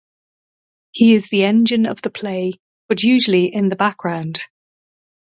He is the engine of the play, but usually in the background.